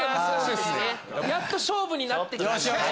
やっと勝負になって来ました。